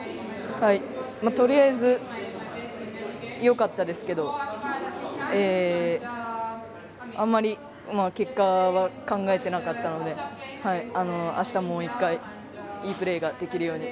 とりあえず良かったですけどあまり結果は考えてなかったので明日もう１回いいプレーができるように